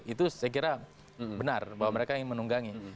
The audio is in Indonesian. itu saya kira benar bahwa mereka ingin menunggangi